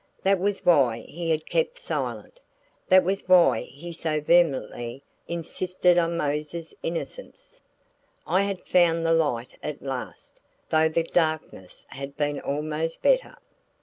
That was why he had kept silent; that was why he so vehemently insisted on Mose's innocence. I had found the light at last though the darkness had been almost better.